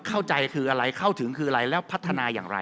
เข้าใจคืออะไรเข้าถึงคืออะไรแล้วพัฒนาอย่างไร